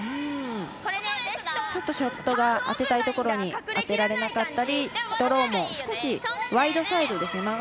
ちょっとショットが当てたいところに当てられなかったりドローも少しワイドサイドですね